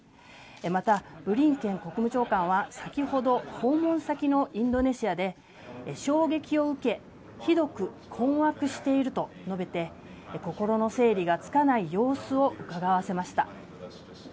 またブリンケン国務長官は、先ほど訪問先のインドネシアで衝撃を受けひどく困惑していると述べて心の整理がつかない様子をうかがわせました。